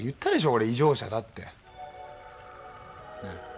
俺異常者だって。ねぇ。